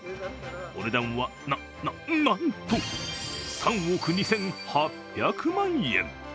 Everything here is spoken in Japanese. お値段は、な、な、なんと、３億２８００万円。